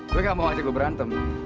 gue gak mau ajak lo berantem